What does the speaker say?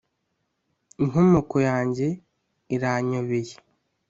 Inkomoko yanjye iranyobeye